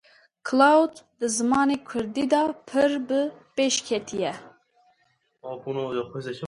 Claude di zimanê Kurdî da pir bi pêş ketîye